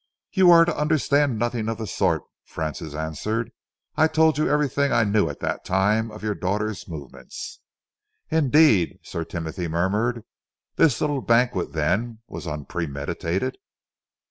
"You are to understand nothing of the sort," Francis answered. "I told you everything I knew at that time of your daughter's movements." "Indeed!" Sir Timothy murmured. "This little banquet, then, was unpremeditated?"